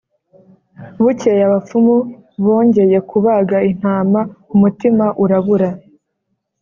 bukeye abapfumu bongeye kubaga intama umutima urabura